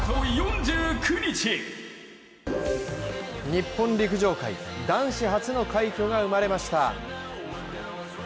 日本陸上界男子初の快挙が生まれました。